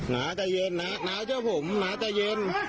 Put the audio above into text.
น้าจะเย็นน้าเจ้าผมน้าจะเย็น